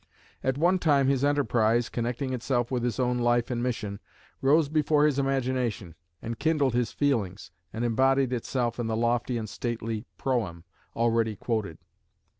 At one time his enterprise, connecting itself with his own life and mission, rose before his imagination and kindled his feelings, and embodied itself in the lofty and stately "Proem" already quoted.